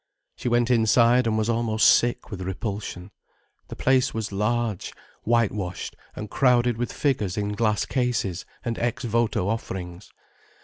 She went inside, and was almost sick with repulsion. The place was large, whitewashed, and crowded with figures in glass cases and ex voto offerings.